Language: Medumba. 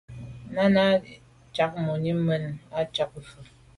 Náná à’ cǎk mùní mɛ́n ǐ á càk vwá.